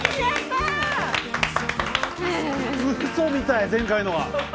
ウソみたい前回のが。